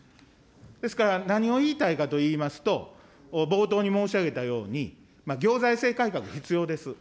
ですから、何を言いたいかといいますと、冒頭に申し上げたように、行財政改革必要です。